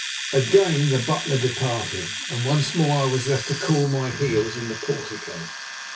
Again the butler departed, and once more I was left to cool my heels in the portico.